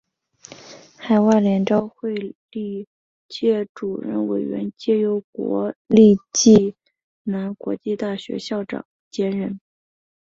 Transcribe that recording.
海外联招会历届主任委员皆由国立暨南国际大学校长兼任。